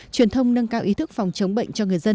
truyền thông nâng cao ý thức phòng chống bệnh cho người dân